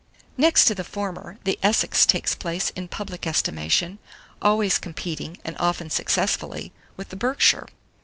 NEXT TO THE FORMER, THE ESSEX takes place in public estimation, always competing, and often successfully, with the Berkshire.